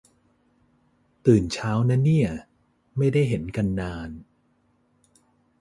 ตื่นเช้านะเนี่ย ไม่ได้เห็นกันนาน